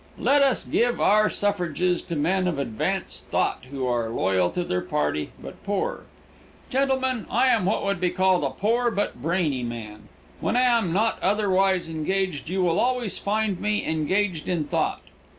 Let us give our suffrages to men of advanced thought who are loyal to their party but poor. Gentlemen, I am what would be called a poor but brainy man. When I am not otherwise engaged you will always find me engaged in thought.